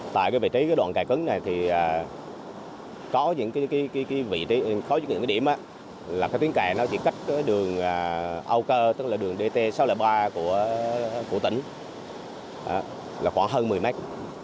tại vị trí đoạn kè cứng này có những điểm là tuyến kè chỉ cách đường dt sáu trăm linh ba của tỉnh khoảng hơn một mươi mét